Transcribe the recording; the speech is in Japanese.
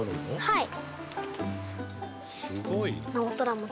はい。